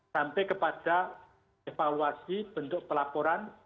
sampai kepada evaluasi bentuk pelaporan